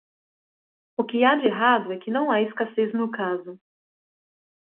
O que há de errado é que não há escassez no caso.